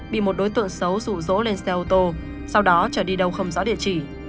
bị một đối tượng xấu rụ rỗ lên xe ô tô sau đó trở đi đâu không rõ địa chỉ